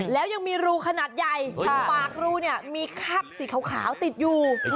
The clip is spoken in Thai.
แล้วยังมีรูขนาดใหญ่ปากรูเนี่ยมีคราบสีขาวติดอยู่